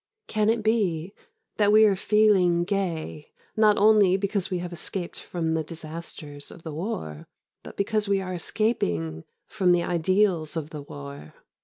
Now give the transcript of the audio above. Can it be that we are feeling gay not only because we have escaped from the disasters of the war but because we are escaping from the ideals of the war?